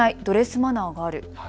ドレスマナーがある。